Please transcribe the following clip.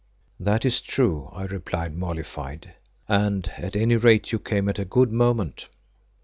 "That is true," I replied, mollified, "and at any rate you came at a good moment."